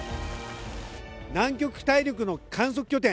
南極大陸の観測拠点